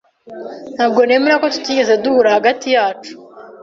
Ntabwo nemera ko tutigeze duhura hagati yacu.